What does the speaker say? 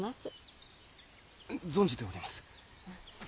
存じております。